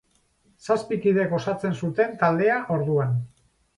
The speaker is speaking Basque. Zazpi kidek osatzen zuten taldea orduan.